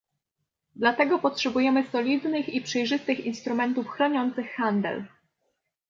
Dlatego potrzebujemy solidnych i przejrzystych instrumentów chroniących handel